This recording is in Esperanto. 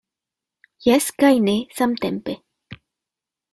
Jes kaj ne samtempe.